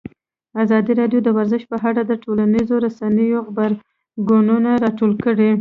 ازادي راډیو د ورزش په اړه د ټولنیزو رسنیو غبرګونونه راټول کړي.